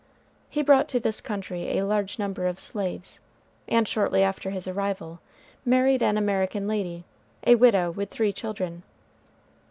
He brought to this country a large number of slaves; and shortly after his arrival, married an American lady: a widow with three children.